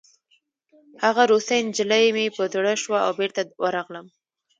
هغه روسۍ نجلۍ مې په زړه شوه او بېرته ورغلم